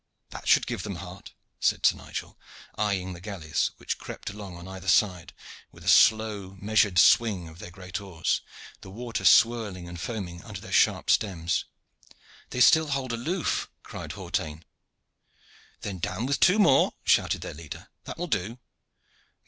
"That should give them heart," said Sir Nigel, eyeing the galleys, which crept along on either side, with a slow, measured swing of their great oars, the water swirling and foaming under their sharp stems. "They still hold aloof," cried Hawtayne. "Then down with two more," shouted their leader. "That will do.